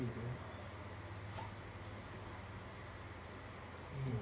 นี่โอ้ย